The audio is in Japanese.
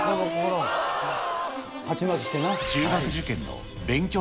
中学受験の勉強